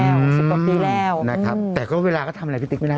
แบบทุกวันเวลาก็ทำอะไรพี่ติ๊กไม่ได้